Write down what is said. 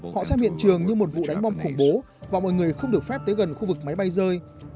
họ sang hiện trường như một vụ đánh bom khủng bố và mọi người không được phép tới gần khu vực máy bay rơi